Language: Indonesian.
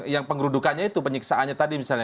yang pengerudukannya itu penyiksaannya tadi misalnya